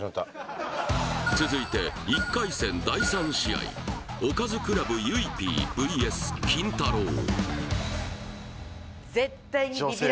続いて１回戦第３試合おかずクラブゆいＰＶＳキンタロー。